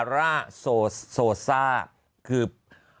แป๊บ